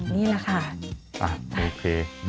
นี่แหละค่ะสักทีครับโอเค